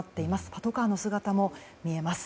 パトカーの姿も見えます。